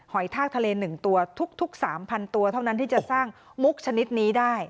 ทากทะเล๑ตัวทุก๓๐๐ตัวเท่านั้นที่จะสร้างมุกชนิดนี้ได้